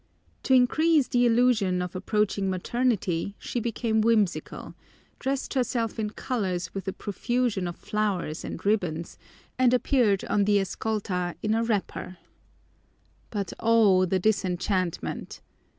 To increase the illusion of approaching maternity she became whimsical, dressed herself in colors with a profusion of flowers and ribbons, and appeared on the Escolta in a wrapper. But oh, the disenchantment!